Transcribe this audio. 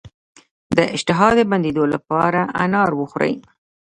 د اشتها د بندیدو لپاره انار وخورئ